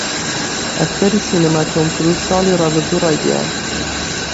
ئەکتەری سینەما تۆم کرووز ساڵی ڕابردوو ڕایگەیاند